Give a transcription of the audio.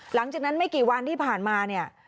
หลังจากนั้นไม่กี่วันที่ผ่านมาเนี่ย